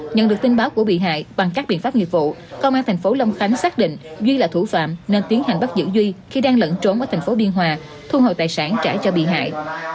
nhận được tin báo của bị hại bằng các biện pháp nghiệp vụ công an thành phố long khánh xác định duy là thủ phạm nên tiến hành bắt giữ duy khi đang lẫn trốn ở thành phố biên hòa thu hồi tài sản trả cho bị hại